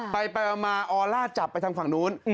ไปมาออล่าจับไปทางฝั่งนู้น